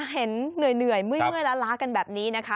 เหนื่อยเมื่อยล้ากันแบบนี้นะคะ